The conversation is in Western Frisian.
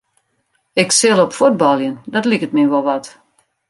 Ik sil op fuotbaljen, dat liket my wol wat.